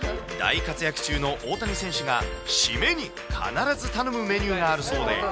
大活躍中の大谷選手が締めに必ず頼むメニューがあるそうで。